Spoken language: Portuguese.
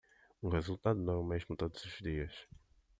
O resultado não é o mesmo todos os dias.